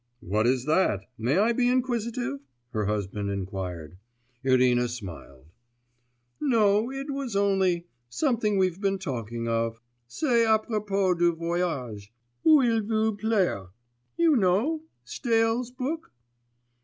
'What is that? May I be inquisitive?' her husband queried. Irina smiled. 'No, it was only ... something we've been talking of. C'est à propos du voyage ... où il vous plaira. You know Stael's book?